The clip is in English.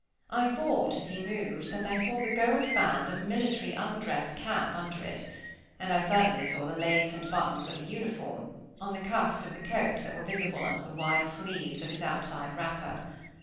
I thought, as he moved, that I saw the gold band of a military undress cap under it; and I certainly saw the lace and buttons of a uniform, on the cuffs of the coat that were visible under the wide sleeves of his outside wrapper.